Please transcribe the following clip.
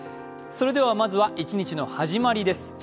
それではまずは、一日の始まりです